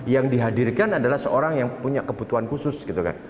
yang dihadirkan adalah seorang yang punya kebutuhan khusus gitu kan